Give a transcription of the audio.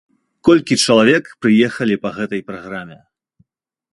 Колькі чалавек прыехалі па гэтай праграме?